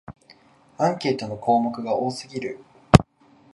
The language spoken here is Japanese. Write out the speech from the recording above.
アンケートの項目が多すぎる